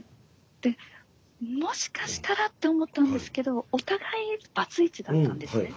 でもしかしたらって思ったんですけどお互いバツイチだったんですね。